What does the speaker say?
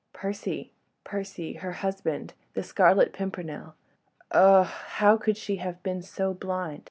... Percy ... Percy ... her husband ... the Scarlet Pimpernel. ... Oh! how could she have been so blind?